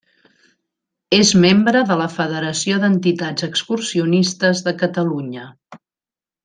És membre de la Federació d'Entitats Excursionistes de Catalunya.